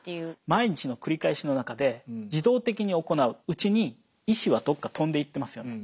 毎日の繰り返しの中で自動的に行ううちに意思はどっか飛んでいってますよね。